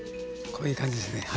こういう感じですね。